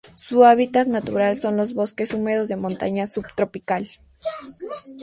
Su hábitat natural son los bosques húmedos de montaña subtropical.